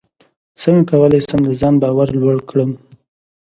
څنګه کولی شم د ځان باور لوړ کړم